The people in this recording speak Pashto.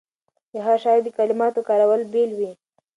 د هر شاعر د کلماتو کارول بېل وي.